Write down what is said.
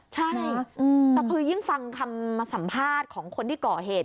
ใช่แต่คือยิ่งฟังคำสัมภาษณ์ของคนที่ก่อเหตุ